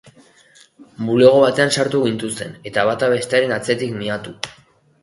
Bulego batean sartu gintuzten, eta bata bestearen atzetik miatu.